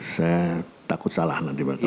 saya takut salah nanti pak